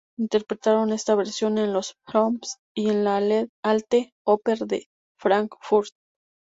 Interpretaron esta versión en los Proms y en la Alte Oper de Frankfurt.